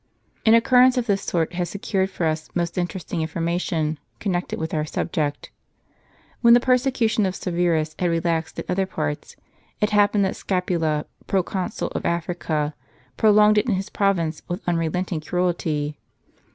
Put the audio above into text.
An occurrence of this sort has secured for us most interesting information, connected with our subject. When the persecution of Severus had relaxed in other parts, it happened that Scapula, pro consul of Africa, prolonged it in his province with unrelenting cruelty.